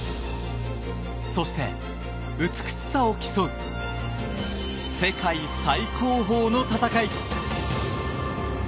そして、美しさを競う世界最高峰の戦い。